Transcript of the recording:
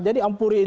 jadi ampuri itu